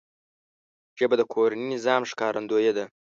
ژبه د کورني نظم ښکارندوی ده